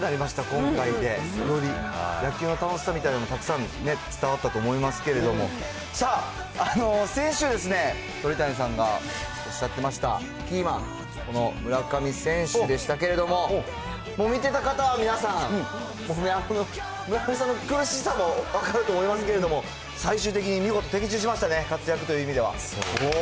今回で、より野球の楽しさみたいなのもたくさん伝わったと思いますけれども、さあ、先週、鳥谷さんがおっしゃってましたキーマン、この村上選手でしたけれども、見てた方は皆さん、村上さんの苦しさも分かると思いますけれども、最終的に見事的中しましたね、活躍という意味では。